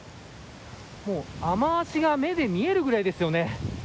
もう雨脚が目で見えるぐらいですよね。